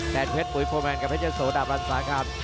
แดดเพชรปุ๋ยโฟร์แมนกับเพชรโสดาบรันสาการ